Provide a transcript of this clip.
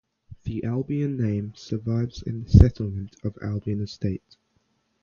The Albion name survives in the settlement of Albion Estate.